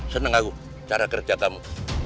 senang aku cara kerja kamu